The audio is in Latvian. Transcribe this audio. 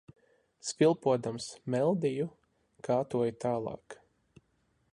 Svilpodams meldiju, kātoju tālāk.